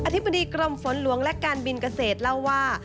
ธิบดีกรมฝนหลวงและการบินเกษตรเล่าว่า